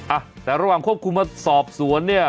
อ่ะแต่ระหว่างควบคุมมาสอบสวนเนี่ย